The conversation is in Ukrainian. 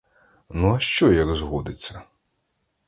Ну, а що як згодиться!